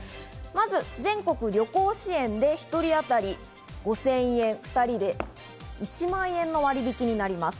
まず全国旅行支援で１人当たり５０００円、２人で１万円の割引になります。